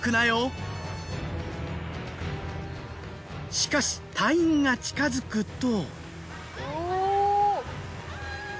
しかし隊員が近づくと。